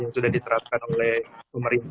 yang sudah diterapkan oleh pemerintah